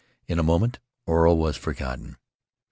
In a moment Oro was forgotten.